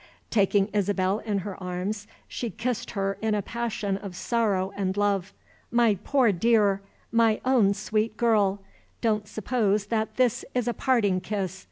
Taking Isabel in her arms she kissed her in a passion of sorrow and love. "My poor dear! My own sweet girl! don't suppose that this is a parting kiss!